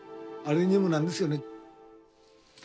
あれにもなるんですよね。